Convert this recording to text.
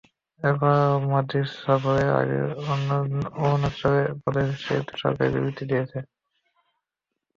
এবারও মোদির সফরের আগে অরুণাচল প্রদেশ নিয়ে তারা সরকারি বিবৃতি দিয়েছে।